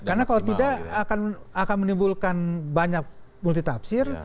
iya karena kalau tidak akan menimbulkan banyak multitapsir